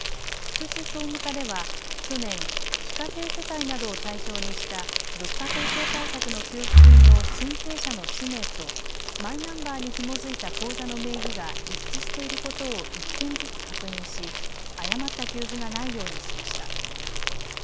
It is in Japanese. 福祉総務課では去年非課税世帯などを対象にした物価高騰対策の給付金の申請者の氏名とマイナンバーにひも付いた口座の名義が一致していることを１件ずつ確認し誤った給付がないようにしました。